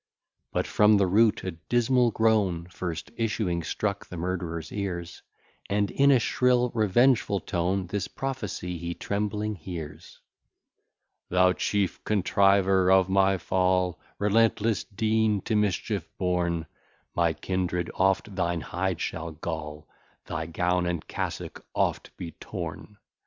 But from the root a dismal groan First issuing struck the murderer's ears: And, in a shrill revengeful tone, This prophecy he trembling hears: "Thou chief contriver of my fall, Relentless Dean, to mischief born; My kindred oft thine hide shall gall, Thy gown and cassock oft be torn.